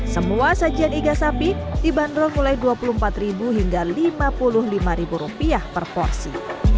semua sajian iga sapi dibanderol mulai rp dua puluh empat hingga rp lima puluh lima per porsi